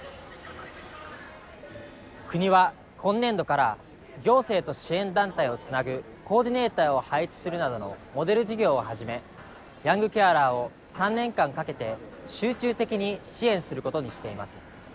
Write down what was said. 国は今年度から行政と支援団体をつなぐコーディネーターを配置するなどのモデル事業をはじめヤングケアラーを３年間かけて集中的に支援することにしています。